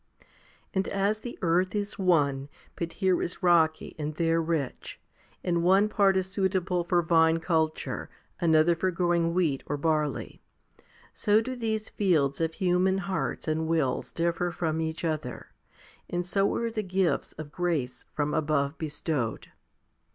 4. And as the earth is one, but here is rocky and there rich, and one part is suitable for vine culture, another for growing wheat or barley, so do these fields of human hearts and wills differ from each other, and so are the gifts of grace from above bestowed.